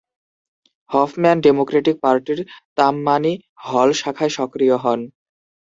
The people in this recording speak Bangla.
হফম্যান ডেমোক্রেটিক পার্টির তামমানি হল শাখায় সক্রিয় হন।